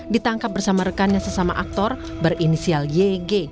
ditangkap bersama rekannya sesama aktor berinisial yg